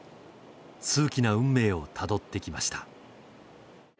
数奇な運命をたどってきました。